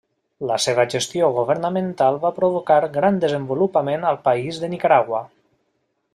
La seva gestió governamental va provocar gran desenvolupament al país de Nicaragua.